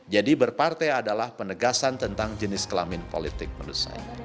jadi berpartai adalah penegasan tentang jenis kelamin politik menurut saya